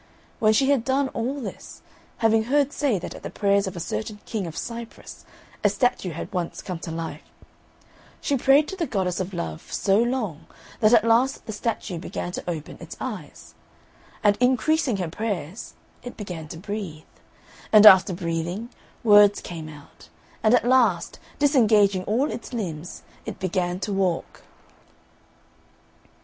When she had done all this, having heard say that at the prayers of a certain King of Cyprus a statue had once come to life, she prayed to the goddess of Love so long that at last the statue began to open its eyes; and increasing her prayers, it began to breathe; and after breathing, words came out; and at last, disengaging all its limbs, it began to walk.